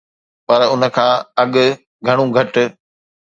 پر ان کان اڳ گهڻو گهٽ